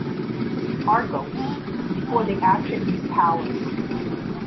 Argos, before the Atrides palace.